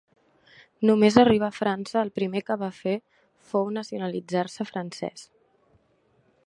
Només arribar a França, el primer que va fer fou nacionalitzar-se francès.